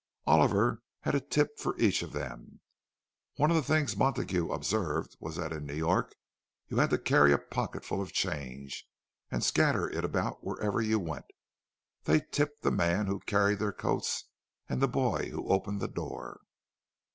Oliver had a tip for each of them; one of the things that Montague observed was that in New York you had to carry a pocketful of change, and scatter it about wherever you went. They tipped the man who carried their coats and the boy who opened the door.